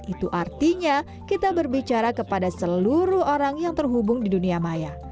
itu artinya kita berbicara kepada seluruh orang yang terhubung di dunia maya